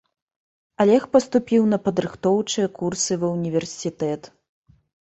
Алег паступіў на падрыхтоўчыя курсы ва ўніверсітэт.